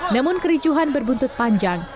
namun kericuhan berbuntut panjang